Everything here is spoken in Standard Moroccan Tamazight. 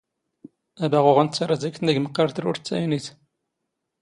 ⴰⴱⴰⵖⵓⵖ ⵏⵜⵜⴰ ⵔⴰⴷ ⴰⴽ ⵜⵏ ⵉⴳ ⵎⵇⵇⴰⵔ ⵜⵔⵓⵔⵜ ⵜⴰⵢⵏⵉⵜ.